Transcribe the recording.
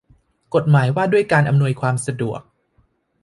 กฎหมายว่าด้วยการอำนวยความสะดวก